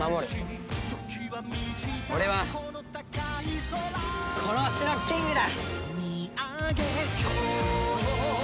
俺はこの星のキングだ！